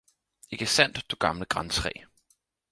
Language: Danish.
Ikke sandt, du gamle grantræ?